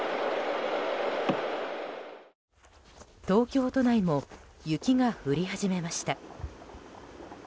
東京都内も雪が降り始めました。